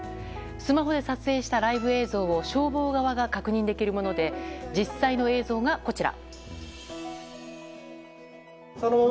スマホで撮影したライブ映像を消防側が確認できるもので実際の映像がこちら。